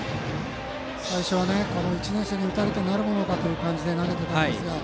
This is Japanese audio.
最初は１年生に打たれてなるものかとして投げていたんですが。